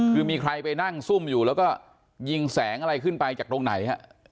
คือมีใครไปนั่งซุ่มอยู่แล้วก็ยิงแสงอะไรขึ้นไปจากตรงไหน